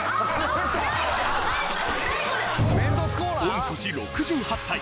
御年６８歳。